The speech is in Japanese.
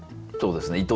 そうですね。